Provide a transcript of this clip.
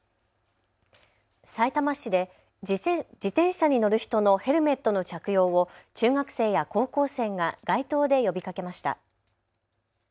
さいたま市で自転車に乗る人のヘルメットの着用を中学生や高校生が街頭で呼びかけました。